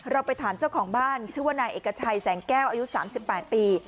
เราไปถามเจ้าของบ้านชื่อว่านายเอกชัยแสงแก้วอายุ๓๘ปี